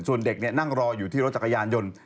ส่วนเด็กนั่งรออยู่ที่รถจักรยานยนต์